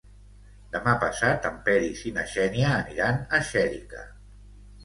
Demà passat en Peris i na Xènia aniran a Xèrica.